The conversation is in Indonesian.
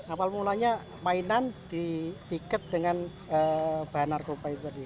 awal mulanya mainan dipikat dengan bahan narkotika itu tadi